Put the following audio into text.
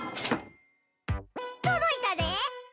届いたで！